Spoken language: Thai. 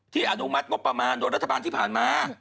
อนุมัติงบประมาณโดยรัฐบาลที่ผ่านมา